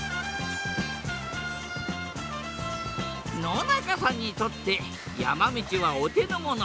野中さんにとって山道はお手のもの。